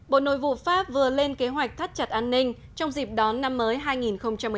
bộ nội vụ pháp vừa lên kế hoạch thắt chặt an ninh trong dịp đón năm mới hai nghìn một mươi chín